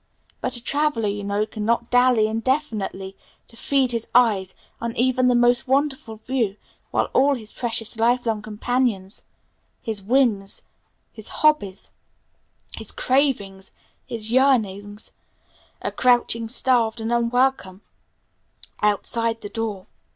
But a traveler, you know, cannot dally indefinitely to feed his eyes on even the most wonderful view while all his precious lifelong companions, his whims, his hobbies, his cravings, his yearnings, are crouching starved and unwelcome outside the door.